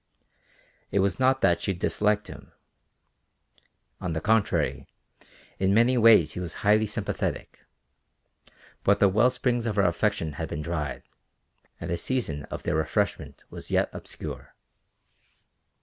It was not that she disliked him, on the contrary, in many ways he was highly sympathetic, but the well springs of her affection had been dried, and the season of their refreshment was yet obscure.